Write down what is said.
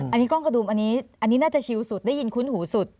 อันนี้กล้องกระดุมอันนี้น่าจะชิลสุดได้ยินคุ้นหูสุด